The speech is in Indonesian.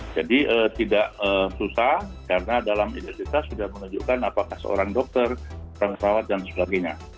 tidak susah karena dalam identitas sudah menunjukkan apakah seorang dokter orang perawat dan sebagainya